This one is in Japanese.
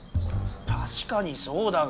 たしかにそうだが。